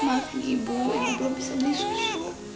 maafin ibu ibu belum bisa beli susu